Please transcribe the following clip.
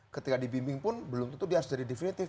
ketika dibimbing pun belum tentu dia harus jadi definitif